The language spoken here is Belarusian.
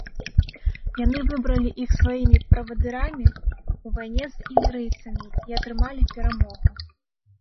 Яны выбралі іх сваімі правадырамі ў вайне з ілірыйцамі і атрымалі перамогу.